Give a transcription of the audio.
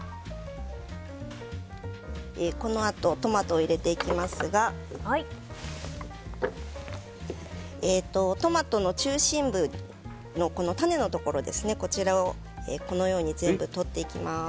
このあとトマトを入れていきますがトマトの中心部の種のところこちらを全部取っていきます。